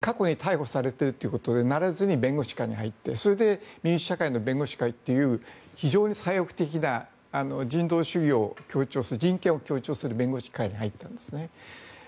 彼は元々裁判官になりたかったんだけど過去に逮捕されてるということでなれずに弁護士になったということでそれで民主社会の弁護士会という非常に左翼的な人道主義を強調する人権を強調する弁護士会に入ったんですね。